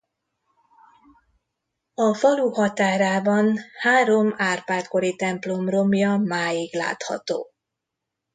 A falu határában három Árpád-kori templom romja máig látható.